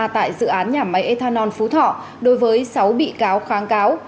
tại dự án nhà máy ethanol phú thọ đối với sáu bị cáo kháng cáo